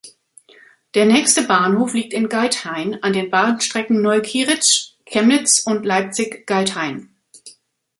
Der nächste Bahnhof liegt in Geithain an den Bahnstrecken Neukieritzsch–Chemnitz und Leipzig–Geithain.